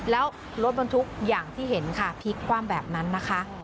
แล้วรถบรรทุกอย่างที่เห็นค่ะพลิกความแบบนั้นนะคะ